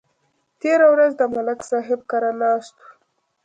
تېره ورځ د ملک صاحب کره ناست وو